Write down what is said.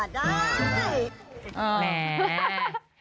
อ๋อได้